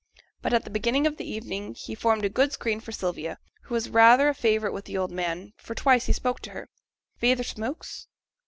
But at the beginning of the evening he formed a good screen for Sylvia, who was rather a favourite with the old man, for twice he spoke to her. 'Feyther smokes?'